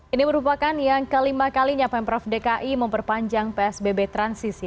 ini merupakan yang kelima kalinya pemprov dki memperpanjang psbb transisi